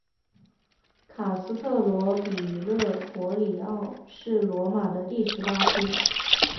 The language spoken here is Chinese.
卡斯特罗比勒陀里奥是罗马的第十八区。